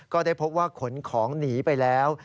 ก็ได้พบว่าขนของหนีไปแล้ว